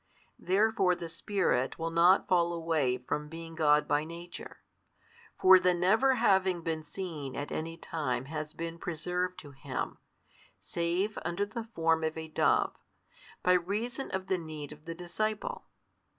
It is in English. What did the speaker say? Therefore the Spirit will not fall away from being God by Nature: for the never having been seen at any time has been preserved to Him, save under the form of a dove, by reason of the need of the disciple.